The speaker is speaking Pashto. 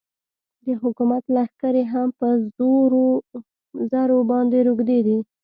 د حکومت لښکرې هم په زرو باندې روږدې دي.